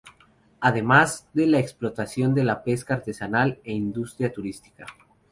Además de la explotación de la pesca artesanal e industria turística.